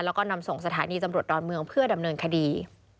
แล้วก็นำส่งสถานีตำรวจดอนเมืองเพื่อดำเนินคดี